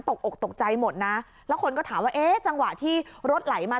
ตกอกตกใจหมดแล้วคนก็ถามจังหวะที่รถไหลมา